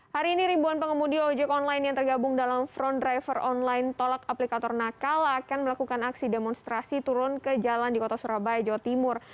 hari ini ribuan pengemudi ojek online yang tergabung dalam front driver online tolak aplikator nakal akan melakukan aksi demonstrasi turun ke jalan di kota surabaya jawa timur